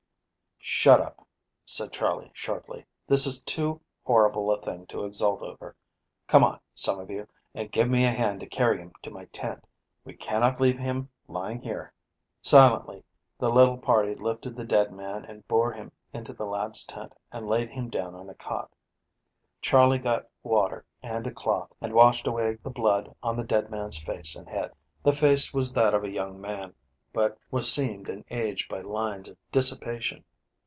"Shut up," said Charley shortly. "This is too horrible a thing to exult over. Come on, some of you, and give me a hand to carry him to my tent. We cannot leave him lying here." Silently the little party lifted the dead man and bore him into the lad's tent and laid him down on a cot. Charley got water and a cloth and washed away the blood on the dead man's face and head. The face was that of a young man but was seamed and aged by lines of dissipation.